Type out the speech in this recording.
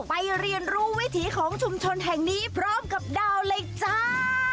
เรียนรู้วิถีของชุมชนแห่งนี้พร้อมกับดาวเหล็กจ้า